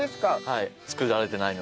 はい。